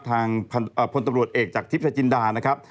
ทางพลตำรวจเอกจากทิพย์ชายจินดานะครับ